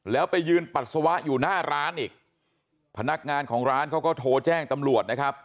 แล้วไปยืนปัสสาวะอยู่หน้าร้านอีกพนักงานของร้านเขาก็โทรแจ้งตำรวจนะครับ